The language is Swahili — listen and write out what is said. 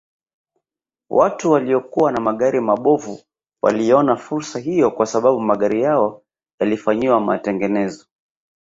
Watu waliokuwa na magari mabovu waliiona fursa hiyo kwa sababu magari yao yalifanyiwa matengenezo